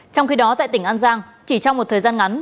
trong khi đó tại tỉnh an giang chỉ trong một thời gian ngắn